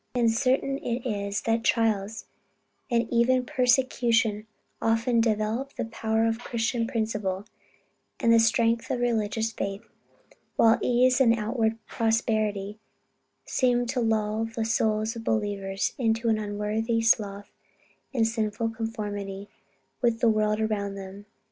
And certain it is, that trials, and even persecution often develop the power of Christian principle, and the strength of religious faith; while ease and outward prosperity seem to lull the souls of believers into an unworthy sloth and a sinful conformity with the world around them.